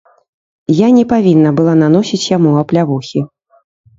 Я не павінна была наносіць яму аплявухі.